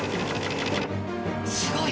すごい。